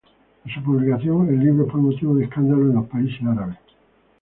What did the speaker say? A su publicación, el libro fue motivo de escándalo en los países árabes.